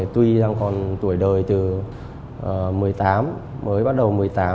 tuy đang còn tuổi đời từ một mươi tám mới bắt đầu một mươi tám